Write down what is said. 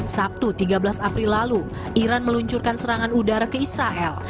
sabtu tiga belas april lalu iran meluncurkan serangan udara ke israel